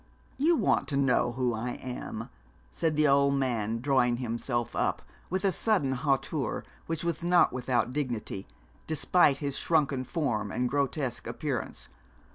'You want to know who I am?' said the old man drawing himself up, with a sudden hauteur which was not without dignity, despite his shrunken form and grotesque appearence.